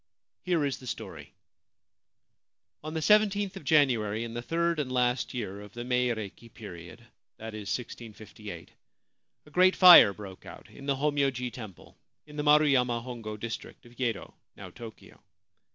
Here is the story :— On the i yth of January in the third and last year of the Meireki period — that is, 1658 — a great fire broke out in the Homyo ji Temple, in the Maruyama Hongo district of Yedo, now Tokio.